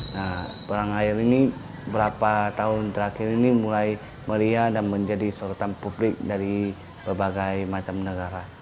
nah perang air ini berapa tahun terakhir ini mulai meriah dan menjadi sorotan publik dari berbagai macam negara